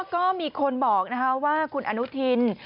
ก็มีคนบอกว่าคุณอนุทิน